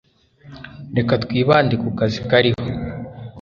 Reka twibande ku kazi kariho.